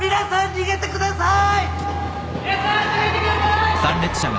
逃げてください。